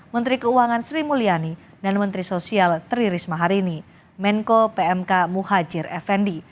menteri keuangan sri mulyani dan menteri sosial tri risma harini menko pmk muhajir effendi